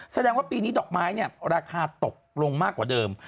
แสดงว่าปีนี้ดอกไม้เนี่ยราคาตกลงมากกว่าเดิม